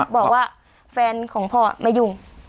บอกว่าแฟนของพ่อมายุ่ง